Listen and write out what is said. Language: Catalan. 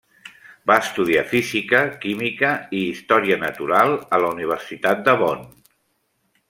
Va estudiar física, química i història natural a la Universitat de Bonn.